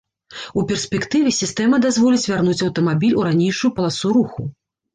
У перспектыве сістэма дазволіць вярнуць аўтамабіль у ранейшую паласу руху.